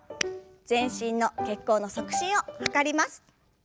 全身の血行の促進を図ります。